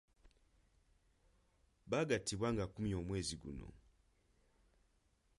Baagattibwa nga kumi omwezi guno.